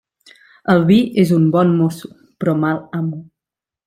El vi és un bon mosso, però mal amo.